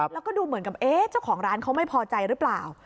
แล้วก็ดูเหมือนกับเจ้าของร้านเขาไม่พอใจหรือเปล่า